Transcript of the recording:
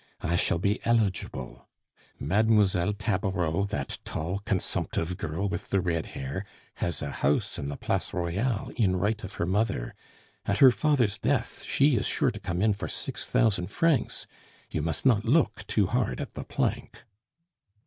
I shall be eligible. Mlle. Tabareau, that tall, consumptive girl with the red hair, has a house in the Place Royale in right of her mother. At her father's death she is sure to come in for six thousand francs, you must not look too hard at the plank."